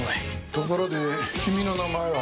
ところで君の名前は？